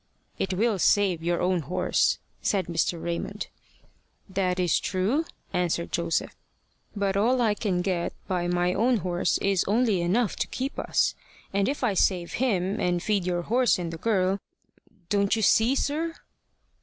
"It will save your own horse," said Mr. Raymond. "That is true," answered Joseph; "but all I can get by my own horse is only enough to keep us, and if I save him and feed your horse and the girl don't you see, sir?"